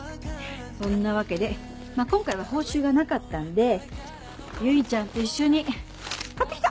そんなわけでまぁ今回は報酬がなかったんで唯ちゃんと一緒に買ってきた！